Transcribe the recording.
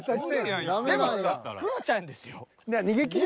でもクロちゃんですよ。